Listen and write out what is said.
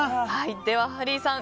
ではハリーさん